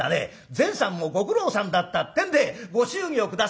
善さんもご苦労さんだった』ってんでご祝儀を下さる。